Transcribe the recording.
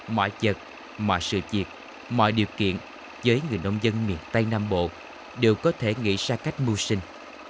mọi chật mọi sự việc mọi điều kiện với người nông dân miền tây nam bộ đều có thể nghĩ ra cách mưu sinh